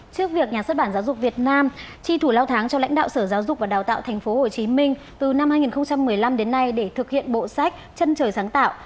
trước việc nhà xuất bản giáo dục việt nam chi thủ lao tháng cho lãnh đạo sở giáo dục và đào tạo tp hcm từ năm hai nghìn một mươi năm đến nay để thực hiện bộ sách chân trời sáng tạo